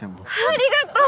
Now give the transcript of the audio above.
ありがとう！